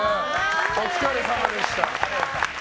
お疲れさまでした。